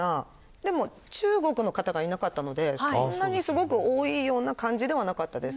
でも、中国の方がいなかったのですごく多いという感じではなかったです。